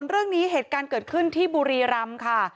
เรื่องนี้เหตุการณ์เกิดขึ้นที่บุรีรำค่ะ